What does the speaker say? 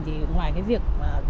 thì ngoài cái việc